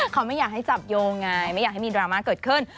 เขาไม่อยากให้จับโยงไงไม่อยากให้มีดราม่าเกิดขึ้น